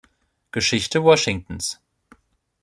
Geschichte Washingtons